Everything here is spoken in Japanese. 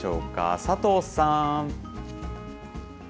佐藤さん。